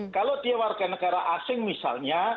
kalau dia warganegara asing misalnya